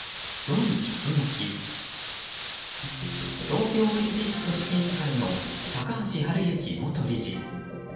東京オリンピック組織委員会の高橋治之元理事。